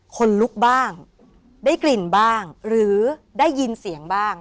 คนลุกบ้างได้กลิ่นบ้างหรือได้ยินเสียงบ้าง